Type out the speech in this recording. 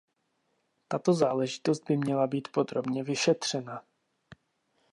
Tato záležitost by měla být podrobně vyšetřena.